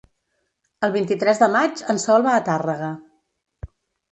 El vint-i-tres de maig en Sol va a Tàrrega.